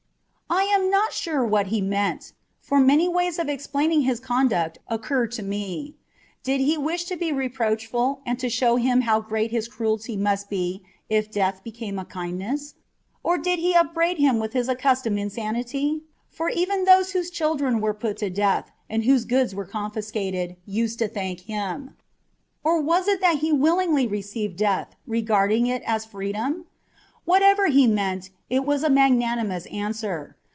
I am not sure what he meant : for many ways of explaining his conduct occur to me. Did he wish to be reproachful, and to show him how great his cruelty must be if death became a kindness ? or did he upbraid him with his accustomed insanity ? for even those whose children were put to death, and whose goods were confiscated, used to thank him : or was it that he willingly received death, regarding it as freedom ? Whatever he meant, it was a magnanimous answer.